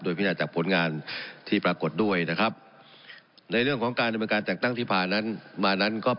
ด้วยพินาจจากผลงานที่ปรากฏด้วยนะครับในเรื่องของการอุณหการจักรตั้งทฤพานนั้น